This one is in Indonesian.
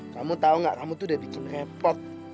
kamu tau gak kamu tuh udah bikin repot